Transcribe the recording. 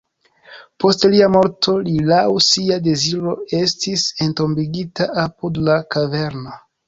Post lia morto li laŭ sia deziro estis entombigita apud la kaverno.